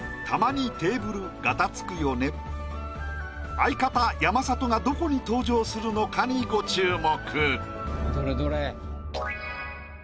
相方山里がどこに登場するのかにご注目。